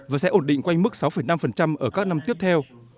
và sẽ ổn định quanh mức sáu năm ở các năm tiếp theo